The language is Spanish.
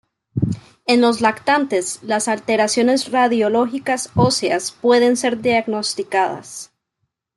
En los lactantes, las alteraciones radiológicas óseas pueden ser diagnosticadas.